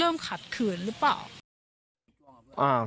ทำไมคงคืนเขาว่าทำไมคงคืนเขาว่า